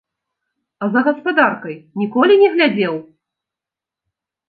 А за гаспадаркай ніколі не глядзеў?